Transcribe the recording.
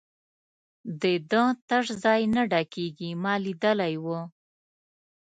د ده تش ځای نه ډکېږي، ما لیدلی وو.